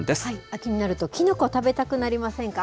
秋になると、きのこ、食べたくなりませんか？